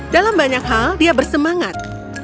dalam banyak hal dia bersemangat